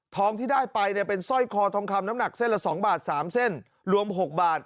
ที่ได้ไปเนี่ยเป็นสร้อยคอทองคำน้ำหนักเส้นละ๒บาท๓เส้นรวม๖บาท